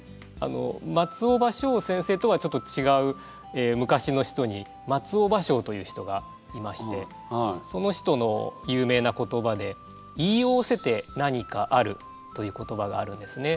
松尾葉翔先生とはちょっと違う昔の人に松尾芭蕉という人がいましてその人の有名な言葉でという言葉があるんですね。